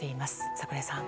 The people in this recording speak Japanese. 櫻井さん。